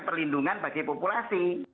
perlindungan bagi populasi